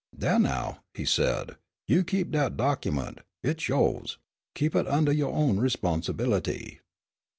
"Dah, now," he said; "you keep dat docyment. It's yo's. Keep hit undah yo' own 'sponsibility."